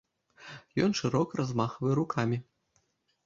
Ён шырока размахвае рукамі.